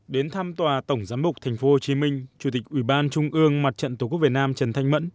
đến thăm tòa tổng giám mục tp hcm chủ tịch ủy ban trung ương mặt trận tổ quốc việt nam trần thanh mẫn